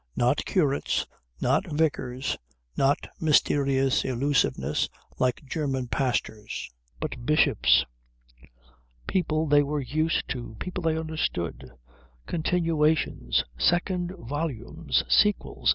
Not curates, not vicars, not mysterious elusivenesses like German pastors, but bishops. People they were used to. People they understood. Continuations. Second volumes. Sequels.